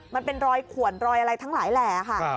มันเป็นรอยขวนรอยอะไรทั้งหลายแหล่ค่ะ